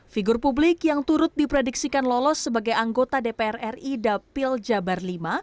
figur publik yang turut diprediksikan lolos sebagai anggota dpr ri dapil jabar v